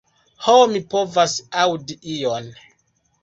Ho, mi povas aŭdi ion.